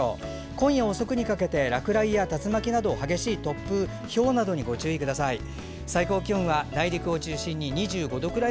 今夜遅くにかけて落雷や竜巻などの激しい突風ひょうなどに、ご注意ください。